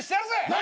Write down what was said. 何！？